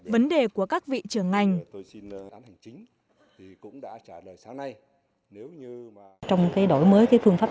vấn đề của các vị trưởng ngành